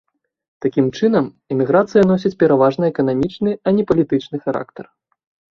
Такім чынам, эміграцыя носіць пераважна эканамічны, а не палітычны характар.